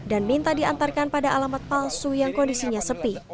dan minta diantarkan pada alamat palsu yang kondisinya sepi